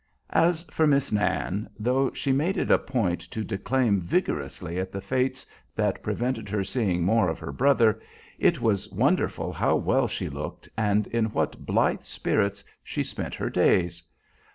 As for Miss Nan, though she made it a point to declaim vigorously at the fates that prevented her seeing more of her brother, it was wonderful how well she looked and in what blithe spirits she spent her days.